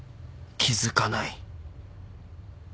気付かない。